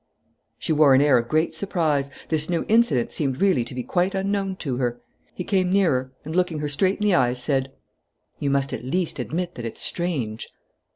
She wore an air of great surprise. This new incident seemed really to be quite unknown to her. He came nearer and, looking her straight in the eyes, said: "You must at least admit that it's strange."